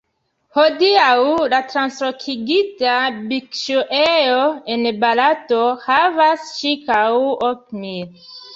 Hodiaŭ, la translokigita bikŝuejo en Barato havas ĉirkaŭ ok mil.